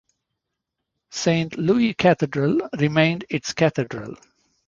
Saint Louis Cathedral remained its cathedral.